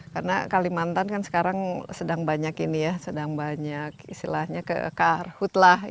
karena kalimantan kan sekarang sedang banyak ini ya sedang banyak istilahnya kekarhutlah